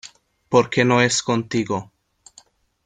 porque no es contigo.